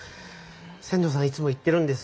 千堂さんいつも言ってるんです。